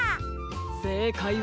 せいかいは。